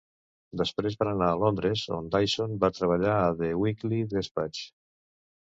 Després, van anar a Londres, on Dyson va treballar a "The Weekly Despatch".